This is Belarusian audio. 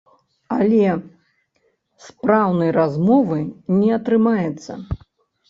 Але спраўнай размовы не атрымаецца.